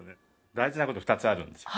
大事なこと２つあるんですよ